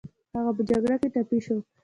هغه په جګړه کې ټپي شو